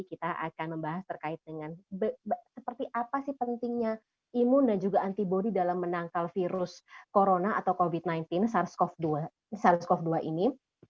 kita akan membahas terkait dengan seperti apa sih pentingnya imun dan juga antibody dalam menangkal virus corona atau covid sembilan belas sars cov dua ini